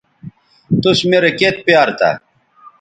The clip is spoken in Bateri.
توس میرے کیئت پیار تھا